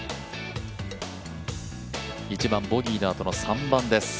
１番ボギーのあとの３番です。